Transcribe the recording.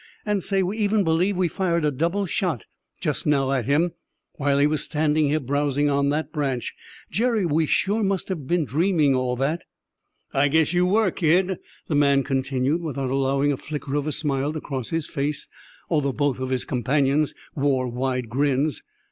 And, say, we even believed we fired a double shot just now at him, while he was standing here browsing on that branch. Jerry, we sure must have been dreaming all that!" "I guess you were, kid," the man continued, without allowing a flicker of a smile to cross his face, although both of his companions wore wide grins.